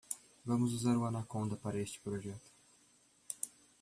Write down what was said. Vamos usar o Anaconda para este projeto.